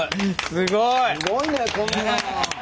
すごいねこんな。